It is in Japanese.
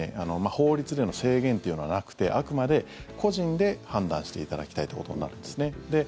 法律での制限というのはなくてあくまで個人で判断していただきたいってことになるんですね。